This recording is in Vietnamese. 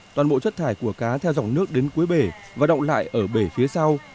toàn bộ chất thải của cá theo dòng nước đến cuối bể và động lại ở bể phía sau